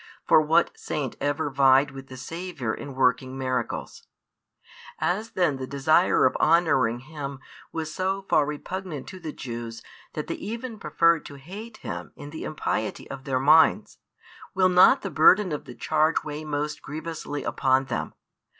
For what saint ever vied with the Saviour in working miracles? As then the desire of honouring Him was so far repugnant to the Jews that they even preferred to hate Him in the impiety of their minds, will not the burden of the charge weigh most grievously upon them?